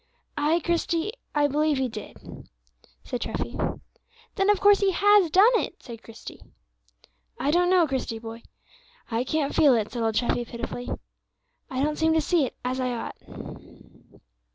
"Ay, Christie, I believe He did," said Treffy. "Then of course He has done it," said Christie. "I don't know, Christie, boy; I can't feel it," said old Treffy pitifully. "I don't seem to see it as I ought."